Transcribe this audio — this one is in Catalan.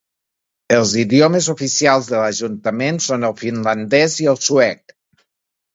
Els idiomes oficials de l"ajuntament són el finlandès i el suec.